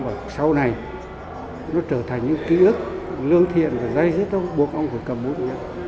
và sau này nó trở thành những ký ức lương thiện và dây rất buộc ông phải cầm bút